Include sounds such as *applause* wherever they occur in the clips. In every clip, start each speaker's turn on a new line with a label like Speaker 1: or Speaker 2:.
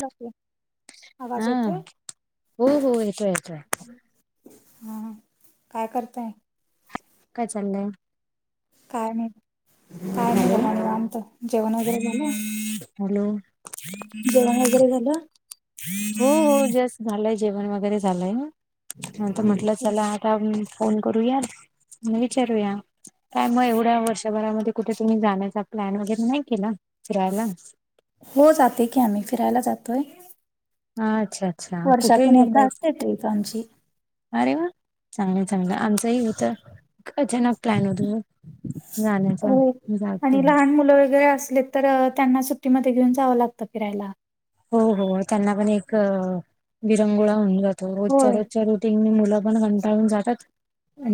Speaker 1: बोला की.
Speaker 2: हा
Speaker 1: आवाज येतोय?
Speaker 2: हो हो येतोय येतोय
Speaker 1: हं. काय करताय?
Speaker 2: काय, चालंलय?
Speaker 1: काय नाही. काय मी
Speaker 2: हॅलो
Speaker 1: बघा निवांत. जेवण वगैरे झालं?
Speaker 2: हॅलो.
Speaker 1: जेण वगैरे झालं.
Speaker 2: हो हो जास्त झालंय जेवण वगैरे झालंय. ना नंतर म्हटलं चला आता फोन करूया आणि विचारूया. काय मग एवढ्या वर्षभरामध्ये कुठे तुम्ही जाण्याचा प्लॅन वगैरे नाही केला फिरायला
Speaker 1: हो जाते की आम्ही फिरायला जातोय.
Speaker 2: हा अच्छा. अच्छा कुठे
Speaker 1: वर्षातून एकदा
Speaker 2: येताय
Speaker 1: असते ट्रीप आमची
Speaker 2: अरे वा चांगलं चांगलं आमचंही होतं अचानक प्लॅन होतो. जाण्याचा
Speaker 1: हो
Speaker 2: जातो
Speaker 1: आणि लहान मुलं वगैरे असले. तर त्यांना सुट्टीमध्ये घेऊन जावं लागतं फिरायला.
Speaker 2: हो हो त्यांना पण एक विरंगुळा होणन जातो रोजच्या
Speaker 1: होय
Speaker 2: रोजच्या रज टी मुलं पण कंटाळून जातात.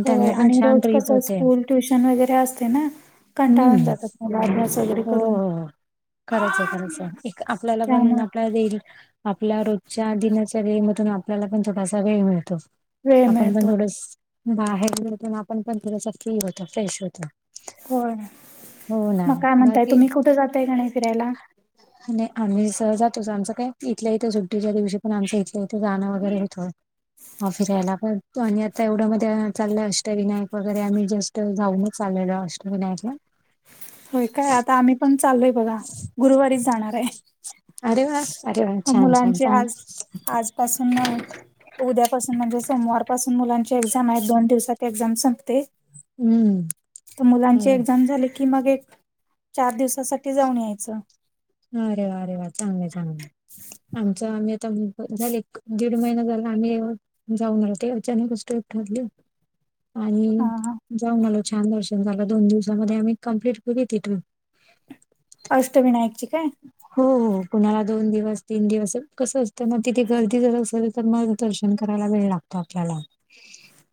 Speaker 1: होय
Speaker 2: त्यांना पण
Speaker 1: आणि
Speaker 2: छान
Speaker 1: रोज
Speaker 2: ट्रीप
Speaker 1: कसं
Speaker 2: होते
Speaker 1: स्कूल ट्युशन वगैरे असते ना कंटाळून
Speaker 2: हम्म
Speaker 1: जातात. ह.
Speaker 2: हो हो हो खरंच आहे खरंच आहे एक आपल्याला पण
Speaker 1: त्यामुळे
Speaker 2: दे आपल्या रोजच्या दिनाच्या वेळेमधून आपल्याला पण थोडासा वेळ मिळतो.
Speaker 1: वेळ
Speaker 2: आपण पण
Speaker 1: मिळतो
Speaker 2: थोडस बाहेर निेतो आपण पण थोडस फील होत फ्रेश होत.
Speaker 1: होय मग काय म्हणताय
Speaker 2: बाकी
Speaker 1: तुम्ही कुठे जातय घाणे फिरायला
Speaker 2: आणि आम्ही सह जातोच आमं काय इथलं येतं सुट्टीच्या दिवशी पण आमच इथलं य. ते गाणं वगैरे होतं. हा फिरायला पण आणि आता एवढ्या मध्ये चाललं अष्टविनायक वगैरे आम्हीस्. तर जाऊनच आलेलं अष्टविनायकला
Speaker 1: होय काय आता आम्ही पण चालूय बघा गुरुवारीच जाणार आहे.
Speaker 2: अरे वा अरे वा छान छान
Speaker 1: मुलांची
Speaker 2: छान.
Speaker 1: आज आजपासून उद्यापासून म्हणजे सोमवारपासून मुलांची एक्झाम आहे दोन दिवसात एक्झाम संपते
Speaker 2: हम्म
Speaker 1: तर
Speaker 2: हो.
Speaker 1: मुलांचे एक्झाम झाले. की मग एक चार दिवसासाठी जाऊन यायचं.
Speaker 2: अरे वा अरे वा चांग आहे चांगलं आमच आम्ही आता झाले. दीड महिना झाला आम्ही जाऊन नते अचानक अस ठरली. आणि
Speaker 1: हा हा
Speaker 2: जाऊन आलो छान दर्शन झालं दोन दिवसामध्ये आम्ही कंप्लीट केली तिथून
Speaker 1: अष्टविनायकची काय!
Speaker 2: हो हो कणाला दोन दिवस तीन दिवस कसं असतं मग तिथे गर्दी जर असल तर मग दर्शन करायला वेळ लागतो. आपल्याला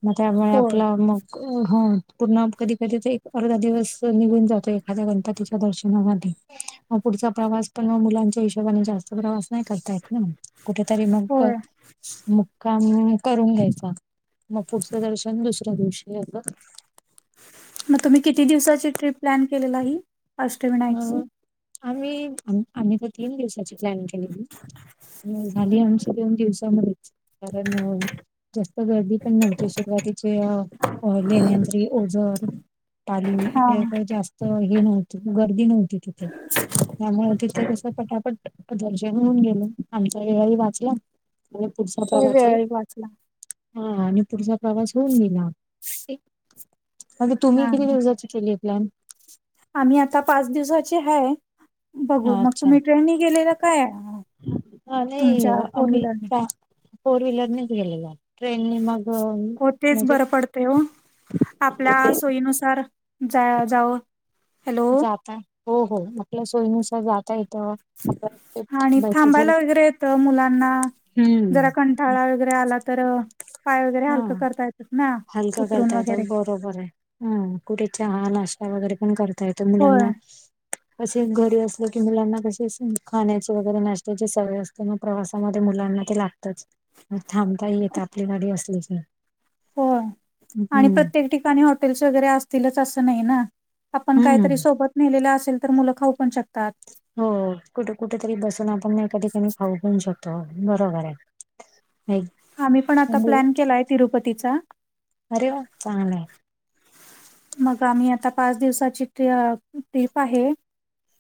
Speaker 2: मग त्यामुळे
Speaker 1: होय
Speaker 2: आपलं मग अ हो पूर्ण कधी कधी एक अर्धा दिवस निघून जातो एखाद्या गणपतीच्या दर्शनासाठी मग पुढचा प्रवास पण मुलांच्या हिशोबाने जास्त प्रवास नाही करताय. कुठेतरी मग
Speaker 1: होय
Speaker 2: मुक्काम हम् करून घ्यायचा मग पुढचं दर्शन दुसऱ्या दिवशी असं.
Speaker 1: मग तुम्ही किती दिवसाची ट्रिप प्लॅन केलेला आहे अष्टवी नाईट
Speaker 2: असं
Speaker 1: ची
Speaker 2: आम्ही आम्ही तर तीन दिवसाची प्लॅन केलेली झाली आमची दोन दिवसामध्येच कारण जास्त गर्दी पण नव्हती सुरवातीचे अ लेहजरी ओझर तालीम
Speaker 1: हा
Speaker 2: का जास्त हे नव्हती. गर्दी नव्हती तिथे त्यामुळे तिथे कसं? पटापट दर्शन होऊन गेलो आमच्या वेळाळी वाचला. पुढचा
Speaker 1: होय
Speaker 2: प्रवाचही
Speaker 1: वेळ वाचला
Speaker 2: हा आणि पुढचा प्रवास होऊन गेला. अगे तुम्ही
Speaker 1: हा
Speaker 2: किती
Speaker 1: हा.
Speaker 2: दिवसाची केली आहे प्लॅन?
Speaker 1: आम्ही आता पाच दिवसाची ह बघू मग
Speaker 2: अच्छा
Speaker 1: तुम्ही ट्रेननी गेलेलं काय आहे.
Speaker 2: हा नाही आम्ही फोर व्हीलरनेच गेलेल ट्रेनने मग
Speaker 1: हो तेच
Speaker 2: म्हणजे
Speaker 1: बर पडत. तेव आपल्या
Speaker 2: ट्रेन
Speaker 1: सोयीनुसार जा- जावं. हॅलो
Speaker 2: जाता य हो हो आपल्या सोयीनुसार जाता येतं. कुठे
Speaker 1: आणि
Speaker 2: थांबायचं असेल
Speaker 1: थांबायला वगैरे येत मुलांना. जरा
Speaker 2: हम्म.
Speaker 1: क टाळा वगैरे आला तर पाय वगैरे
Speaker 2: हा
Speaker 1: हलकं करता येतच ना.
Speaker 2: हलका
Speaker 1: उतरून
Speaker 2: करता येतं
Speaker 1: वगैरे
Speaker 2: बरोबर आहे. कुठे चहा नाश्ता वगैरे पण करत य
Speaker 1: होय
Speaker 2: मुलांना असे घरी अस मुलांना कशी खाण्याची वगैरे नाश्तची सवय असतेना प्रवासामध्ये मुलांना ते लागतच. थांबताही येत आपली गाडी असलकी.
Speaker 1: हो आणि प्रत्येक ठिकाणी हॉटेल्स वगैरे असतीलच असं नाही ना. आपण
Speaker 2: हम्म.
Speaker 1: काहीतरी सोबत नेलेले असेल तर मुलं खाऊ पण शकतात.
Speaker 2: हो कुठे कुठ तरी बसून आपण एका ठिकाणी खाऊ पऊ शकतो. बरोबर आहे. हम.
Speaker 1: आम्ही पण आता प्लॅन केलाय तिरुपतीचा.
Speaker 2: अरे वा चांगलं आहे
Speaker 1: मग आम्ही आता पाच दिवसाची ते ट्रिप आहे.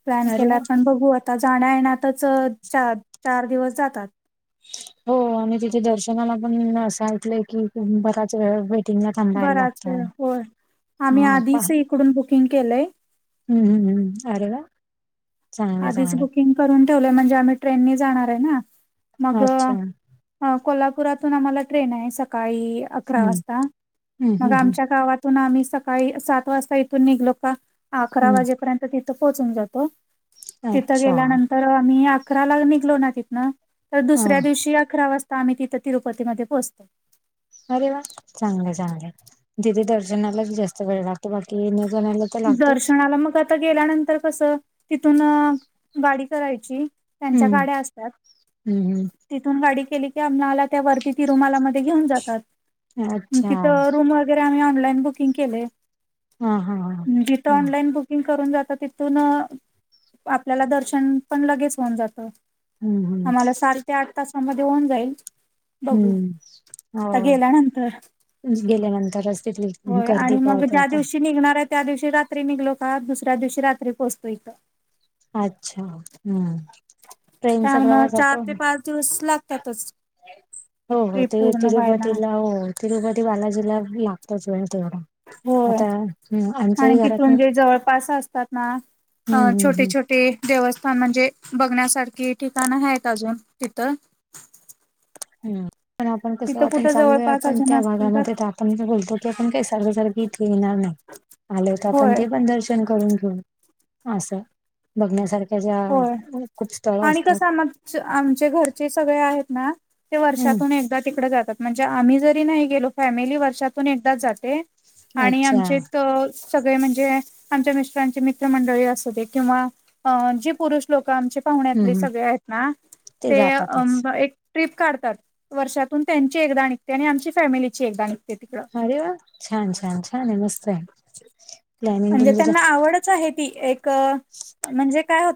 Speaker 1: प्लॅन
Speaker 2: अरे
Speaker 1: केला
Speaker 2: वा
Speaker 1: पण बघू आता जाण्या येण्यातच चा चार दिवस जातात.
Speaker 2: हो तिथे दर्शनाला पण असं ऐकलंय की बराच वेळ वेटिंगला थांबायला
Speaker 1: बराच
Speaker 2: लागत
Speaker 1: वेळ होय आम्ही
Speaker 2: हा
Speaker 1: आधीच इकडून बुकिंग केलंय.
Speaker 2: ह हहम्म अरे वा! चांगले
Speaker 1: आधीच
Speaker 2: चांगले
Speaker 1: बुकिंग करून ठेवलंय म्हणजेआम्ही ट्रेननी जाणार आहे ना मग
Speaker 2: अच्छा
Speaker 1: कोल्हापुरातून आम्हाला ट्रेन आहे, सकाळी अकरा
Speaker 2: हम्म
Speaker 1: वाज
Speaker 2: हम्म
Speaker 1: मग
Speaker 2: हम्म हम्म
Speaker 1: आमच्या गावात पण आम्ही सकाळी सात वाजता इथून निघलो का अकरा
Speaker 2: हम्म
Speaker 1: वाजेपर्यंत तिथे पोहोचून जातो. तिथं
Speaker 2: अच्छा
Speaker 1: गेल्यानंतर आम्ही अकरा ला निघलो ना तिथनं तर
Speaker 2: हा
Speaker 1: दुसऱ्या दिवशी अकरा वाजता तर आम्ही तिथं तिरुपतीमध्ये पोचतो.
Speaker 2: अरे वा! चांगलं चांगलं तिथे दर्शनालाच जास्त वेळ लागतो. बाकी *unintelligible* लागतोच
Speaker 1: दर्शनाला मग आता गेल्यानंतर कसं तिथून गाडी करायची. त्यांच्या
Speaker 2: हम्म
Speaker 1: गाड्या असतात.
Speaker 2: हम्म
Speaker 1: तिथून गाडी केली की आला त्या वरती ती रुमालामध्ये घेऊन जातात.
Speaker 2: हम्म अच्छा
Speaker 1: तिथ रम तर आम्ही ऑनलाईन बुकिंग केलंय.
Speaker 2: हा हा ह..
Speaker 1: तीऑनलाईन बुक करून जात तिथून आपल्याला दर्शन पण लगेच होऊन जात.
Speaker 2: हम्म हम्म
Speaker 1: आम्हाला सात ते आठ तासामध्ये होऊन जाईल. बघू
Speaker 2: हम्म हो
Speaker 1: आता गेल्यानंतर.
Speaker 2: गेल्यानंतरच. तिथली
Speaker 1: होय
Speaker 2: गर्दी
Speaker 1: आणि मग
Speaker 2: कळते
Speaker 1: ज्या
Speaker 2: आता
Speaker 1: दिवशी निघणार आहे त्या दिवशी रात्री निघलो दुसऱ्या दिवशी रात्री पोचलो.
Speaker 2: अच्छा! हम.
Speaker 1: चार ते पाच दिवस लागतात.
Speaker 2: हो ते तिरुपतीला तिरुपती बालाजीला लागतोच तेवढा.
Speaker 1: होय
Speaker 2: आता हम्म आमच्याही
Speaker 1: आणि
Speaker 2: घरात
Speaker 1: तिथून जे जवळपास असतात ना.
Speaker 2: हम्म
Speaker 1: हा
Speaker 2: हम्म
Speaker 1: छोटे
Speaker 2: हम्म
Speaker 1: छोटे देवस्थान म्हणजे बघण्यासारखी ठिकाणं आहेत अजून तिथं.
Speaker 2: हम. पण आपण कसं
Speaker 1: तिथं
Speaker 2: वाटण
Speaker 1: कुठं
Speaker 2: चालो आहे
Speaker 1: जवळपास
Speaker 2: पण त्या पण आपण कसं आता चाललोय आपण
Speaker 1: अजून
Speaker 2: त्या
Speaker 1: असतील
Speaker 2: भागामध्ये तर आपण बोलतो की आपण काही सारवसारखी इथे येणार नाही. आलोय तर आपण
Speaker 1: होय
Speaker 2: ते पण दर्शन असं बघण्यासार
Speaker 1: होय
Speaker 2: खुप खूप स्थळ
Speaker 1: आणि
Speaker 2: असतात.
Speaker 1: कसं आम आमचे घरचे सगळे आहेत ना ते
Speaker 2: हम्म
Speaker 1: वर्षातून एकदा तिकडे जातात. म्हणजे आम्ही जरी नाही गेलो तरी फॅमिली वर्षातून एकदा जाते. आणि
Speaker 2: अच्छा
Speaker 1: आमच्या इथं सगळे म्हणजे, आमच्या मिस्टरांचे मित्र मंडळी असू दे जी पुरुष लोक
Speaker 2: हम्म
Speaker 1: आमच्यापाहुण्यातले
Speaker 2: हम्म
Speaker 1: सगळे आहेत ना. ते अं ट्रीप काढतात वर्षातून त्यांची एकदा निघते आणि आमची फॅमिलीची एकदा निघते‌.
Speaker 2: अरे वा! छान छान मस्त आहे. प्लॅनिंग
Speaker 1: म्हणजे
Speaker 2: तुमचं
Speaker 1: त्यांना आवडच आहे.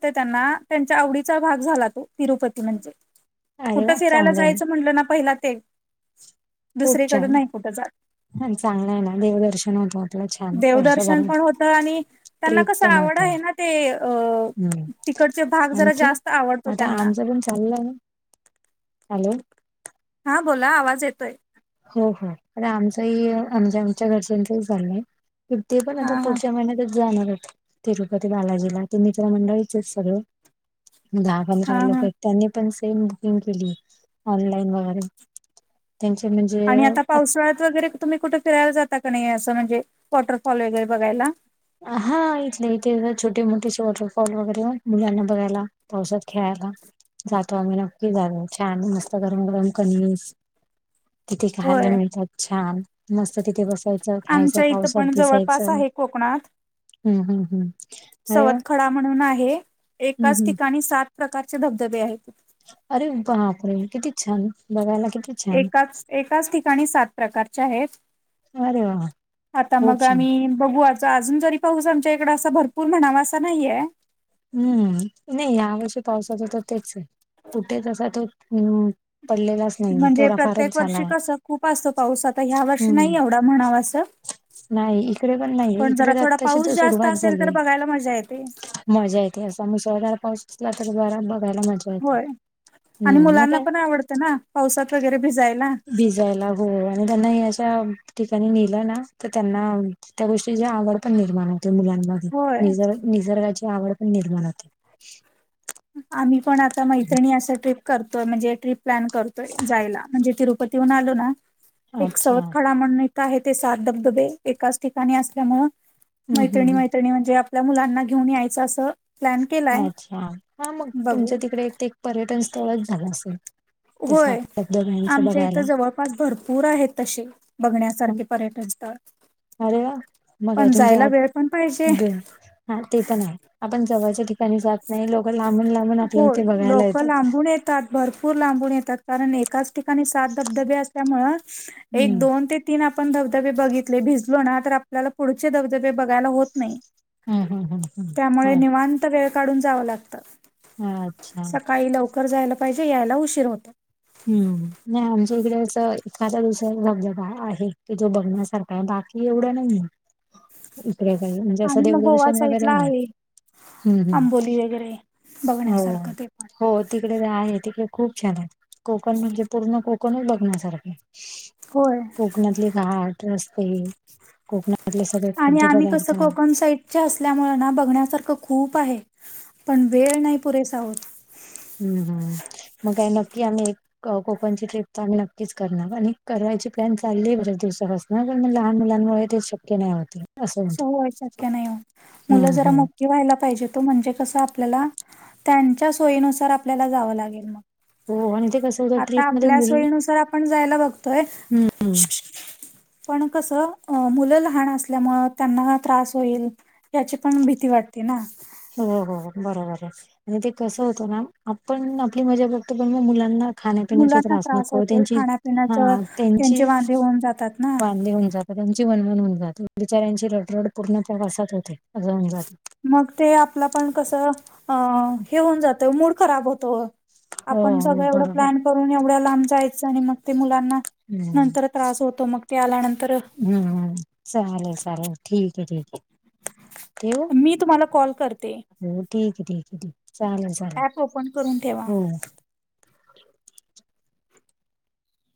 Speaker 1: त्यांच्या आवडीचा भाग झाला तो तिरुपती.
Speaker 2: छान- अरे वा चांगलं आहे
Speaker 1: फिरायलाजायचं म्हटलं ना पहिला ते
Speaker 2: खूप
Speaker 1: दुसरीकडे
Speaker 2: छान
Speaker 1: नाही कुठं जात
Speaker 2: चांगलआहे ना देवदर्शन होत. आप छान वर्षभर
Speaker 1: देवदर्शन पण होतं आणि त्यांना
Speaker 2: ट्रिप
Speaker 1: कसं
Speaker 2: पण
Speaker 1: आवड
Speaker 2: होत्या
Speaker 1: आहे ना ते अ तिकडचे भाग जरा
Speaker 2: हम्
Speaker 1: जास्त आवडतो
Speaker 2: *unintelligible* आता
Speaker 1: त्यांना
Speaker 2: आमचं पण चाललं.
Speaker 1: हा बोला आवाज येतोय.
Speaker 2: हो हो आमचहीआमच्या घरच्यांचं चालंय. ते
Speaker 1: हा
Speaker 2: आता
Speaker 1: हा
Speaker 2: पुढच्या महिन्यातच जाणार आहे. तिरुपती बालाजीला मित्र मंडळी आहे सगळं दहा
Speaker 1: हा
Speaker 2: पंधरा लोक
Speaker 1: हा
Speaker 2: जायला. त्यांनी सेम बुकिंग केली ऑनलाईन वरून त्यांचे म्हणजे
Speaker 1: आणि आता पावसाळ्यात कुठे फिरायला जाता का असं वॉटरफॉल बघायला.
Speaker 2: हा इथले इथे छोटे मोठे वॉटरफॉल वगैरे मुलांना बघायला. औषध खायला जातो आम्ही नक्की झालो छान मस्त गरम गरम कनीज. तिथे खायला
Speaker 1: होय
Speaker 2: मिळतात छान मस्त तिथे बसायचं खायचं
Speaker 1: आमच्या इथं
Speaker 2: पावसात
Speaker 1: पण जवळपास
Speaker 2: भिजायचं.
Speaker 1: आहे कोकणात.
Speaker 2: हम्म हम्म हम्म अरे वा
Speaker 1: सवतकडा म्हणून आहे
Speaker 2: हम्म
Speaker 1: एकाच
Speaker 2: हम्म
Speaker 1: ठिकाणी सात. प्रकारचे धबधबे आहेत.
Speaker 2: अरे बापरे किती छान बघायला. छान
Speaker 1: एकाच ठिकाणी सात प्रकारच्या आहेत.
Speaker 2: अरे वा
Speaker 1: आता
Speaker 2: खूप छान
Speaker 1: आम्ही बघू अजून. पाऊस आमच्या इकडे भरपूर म्हणावा असं नाहीये.
Speaker 2: हम्म नाही या वर्षी पावसाच तर तेच आहे कुठेचसा त *unintelligible*
Speaker 1: प्रत्येक वर्षी खूप असतो पाऊस ह्या वर्षी
Speaker 2: हम्म
Speaker 1: एवढा म्हणावा असा
Speaker 2: नाही इकडे पण नाहीये
Speaker 1: नाही.
Speaker 2: इकडे तर
Speaker 1: थोडा
Speaker 2: आताशी
Speaker 1: पाऊस
Speaker 2: तर
Speaker 1: जास्त
Speaker 2: सुरुवात
Speaker 1: असेल तर
Speaker 2: झालीय
Speaker 1: बघायला मजा येते.
Speaker 2: मजा येते असं् ससळार पाहच असला तर बराात बघायला मजा *unintelligible* हम्म मग
Speaker 1: मुलांना
Speaker 2: काय
Speaker 1: पण आवडत ना पावसात भिजायला.
Speaker 2: हो त्यांना अशा ठिकाणी नेलं ना तर त्यांना भिजायला आवडतं. त्या गोष्टीची आवड निर्माण होते मुलांमध्ये
Speaker 1: होय.
Speaker 2: निसर्गाची आवड पण निर्माण होते.
Speaker 1: आम्ही पण आता मैत्रिणी ट्रिप प्लॅन करतोय तिरुपती बालाजीला जायला. ऊन आलो ना एक
Speaker 2: अच्छा
Speaker 1: सवत खडा म्हणून *unintelligible* आहे ते सात धबधबे एकाच ठिकाणी असल्यामुळे
Speaker 2: हम्म
Speaker 1: मैत्रिणी
Speaker 2: हम्म
Speaker 1: मैत्रिणी म्हणजे मुलांना घेऊन यायच अस प्लान
Speaker 2: अच्छा हा मग तुमच्या तिकडे पर्यटन स्थळच झालं असेल
Speaker 1: होय
Speaker 2: त्या दोघंच
Speaker 1: आमच्या इथं
Speaker 2: बघायला.
Speaker 1: जवळपास भरपूर आहेत तसे बघण्यासारखे पर्यटन स्थळ
Speaker 2: अरे मग का
Speaker 1: पण
Speaker 2: तुमची
Speaker 1: जायला वेळ पण पाहिजे
Speaker 2: आठ हा ते पण आहे आपण जवळच्या ठिकाणी जात नाही लोक लांबून लांबून आपल्या
Speaker 1: होय
Speaker 2: इथे बघायला
Speaker 1: लोक
Speaker 2: येतात.
Speaker 1: लांबून येतात भरपूर लांबून येतात कारण एकाच ठिकाणी सात धबधबे असल्यामुळे एक
Speaker 2: हम्म
Speaker 1: दोन ते तीन आपण धबधबे बघितले भिजलो ना तर आपल्याला पुढचे धबधबे बघायला होत नाही.
Speaker 2: हम् हम् हम्
Speaker 1: त्यामुळे
Speaker 2: हम्
Speaker 1: निवांत वेळ काढून जावं लागतं.
Speaker 2: ह अच्छा
Speaker 1: सकाळी लवकर जायला पाहिजे यायला उशीर होत.
Speaker 2: हम्म नाही आमच्या इकडे अस एखादा दुसरा धबधबा आहे कि जो बघण्यासारखा का बाकी एवढं नाही इकडे काही म्हणजे असं
Speaker 1: आणि मग गोवा
Speaker 2: देवदर्शन वगैरे
Speaker 1: साईडला
Speaker 2: आहे. हम्म
Speaker 1: आंबोली वगैरे
Speaker 2: हम् हो
Speaker 1: बघण्यासारखं ते पण
Speaker 2: हो तिकडे आहे तिकडे खूप छान आहेत कोकण म्हणजे पूर्ण कोकणच बघण्यासारखे
Speaker 1: होय
Speaker 2: कोकणातले घाट रस्ते कोकणातले सगळे
Speaker 1: आणि आम्ही कसं
Speaker 2: खाद्यपदार्थ
Speaker 1: कोकण सहित असल्यामुळे ना बघण्यासारखं खूप आहे पण वेळ नाही पुरेसा होत
Speaker 2: हम्म हम्म मग काय नक्की आम्ही एक कोकणची ट्रिप तर आम्ही नक्कीच करणार आणि करायची प्लॅन चालली आहेे दिवसापासून नाही म लहान मुलांनमुळे ते शक्य नाही होत
Speaker 1: हो शक्य नाही मुलं
Speaker 2: हम्म
Speaker 1: जरा
Speaker 2: हम्म
Speaker 1: मोठी व्हायला पाहिजे त म्हणजे कस आपल्याला त्यांच्या सोयीनुसार आपल्याला जावं लागेल मग
Speaker 2: हो आणि ते कसं होतं
Speaker 1: आता
Speaker 2: ट्रीप मध्ये
Speaker 1: आपल्या
Speaker 2: मुल
Speaker 1: सोयीनुसार आपण जायला बघतोय
Speaker 2: हम्म हम्म.
Speaker 1: पण कस मुलं लहान असल्यामुळे त्यांना त्रास होईल याची पण भीती वाटते ना
Speaker 2: हो हो बरोबर आहे आणि ते कसं होतं ना आपण आपली मजा बघतो पण मग मुलांना खाण्यापिण्याचे
Speaker 1: मुलांना
Speaker 2: त्रास नको
Speaker 1: होतो
Speaker 2: त्यांची हा
Speaker 1: खाण्यापिण्याचं
Speaker 2: त्यांची
Speaker 1: त्यांचे वांदे होऊन जातात ना.
Speaker 2: वाढली होऊन जातो त्यांची वनवान होऊन जाते बिचाऱ्यांची रडरड पूर्ण प्रवासात होते असं होऊन जाते
Speaker 1: मग ते आपलं पण कसं अ हे होऊन जातं मूड खराब होतो
Speaker 2: हो
Speaker 1: आपण सगळं एवढं
Speaker 2: बरोबर
Speaker 1: प्लॅन करून एवढ्या लांब जायचं आणि मग ते मुलांना
Speaker 2: हम्म
Speaker 1: नंतर त्रास होतो मग ते आल्यानंतर
Speaker 2: हम्म चाले चालेल ठीक आहे ठीक आहे ठेवू
Speaker 1: मी तुम्हाला कॉल करते
Speaker 2: हो ठीक आहे ठीक आहे ठी चालेल
Speaker 1: ऍप ओपन करून ठेवा
Speaker 2: हो.